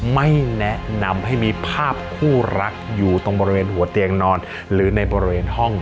ไม่แนะนำให้มีภาพคู่รักอยู่ตรงบริเวณหัวเตียงนอนหรือในบริเวณห้อง